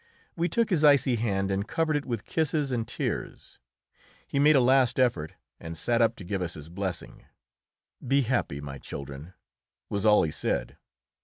We took his icy hand and covered it with kisses and tears. He made a last effort and sat up to give us his blessing. "Be happy, my children," was all he said.